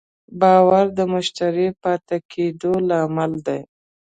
باور د مشتری پاتې کېدو لامل دی.